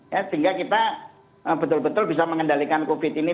ya sehingga kita betul betul bisa mengendalikan covid ini